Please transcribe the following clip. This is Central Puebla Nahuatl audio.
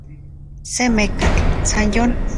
Se mekatl, san yon.